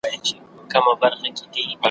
اشرف مفتون